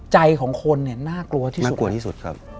ใจของคนน่ากลัวที่สุด